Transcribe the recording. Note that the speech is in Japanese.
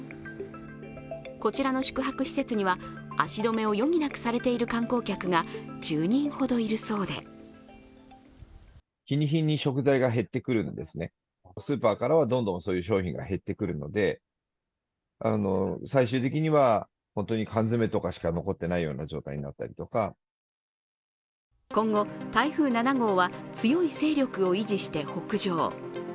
こちらの宿泊施設には、足止めを余儀なくされている観光客が１０人ほどいるそうで今後台風７号は強い勢力を維持して北上。